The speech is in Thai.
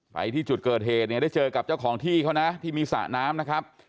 ไปที่จุดเกิดเหตุเนี่ยได้เจอกับเจ้าของที่เขานะที่มีสระน้ำนะครับ